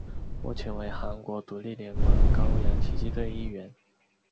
目前为韩国独立联盟高阳奇迹队一员。